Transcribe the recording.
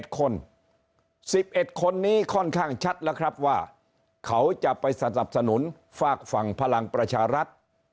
คน๑๑คนนี้ค่อนข้างชัดแล้วครับว่าเขาจะไปสนับสนุนฝากฝั่งพลังประชารัฐ